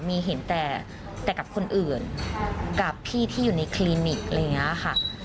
มีเห็นแต่กับคนอื่นกับพี่ที่อยู่ในคลีนิก